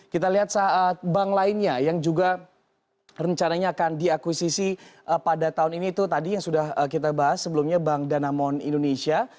kita lihat saat bank lainnya yang juga rencananya akan diakuisisi pada tahun ini itu tadi yang sudah kita bahas sebelumnya bank danamon indonesia